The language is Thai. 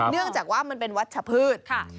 เนื่องจากว่ามันเป็นวัชพืช